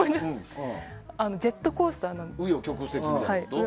ジェットコースターのような。